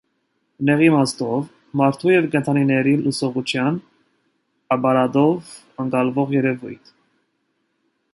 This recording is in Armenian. Նեղ իմաստով՝ մարդու և կենդանիների լսողության ապարատով ընկալվող երևույթ։